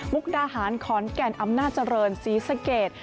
ดาหารขอนแก่นอำนาจเจริญศรีสะเกด